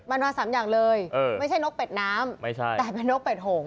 มันมา๓อย่างเลยไม่ใช่นกเป็ดน้ำแต่เป็นนกเป็ดหงษ์